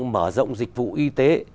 mở rộng dịch vụ y tế